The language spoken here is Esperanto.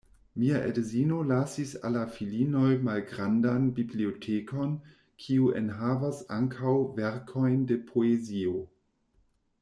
Mia edzino lasis al la filinoj malgrandan bibliotekon, kiu enhavas ankaŭ verkojn de poezio.